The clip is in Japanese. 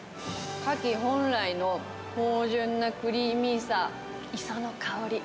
カキ本来のほうじゅんなクリーミーさ、磯の香り。